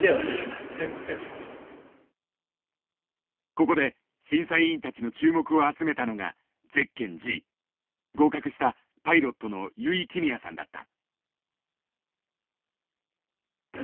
ここで審査委員たちの注目を集めたのがゼッケンＧ合格したパイロットの油井亀美也さんだった。